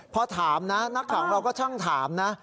พอถามนะนักข่าวของเราก็ช่างถามนะ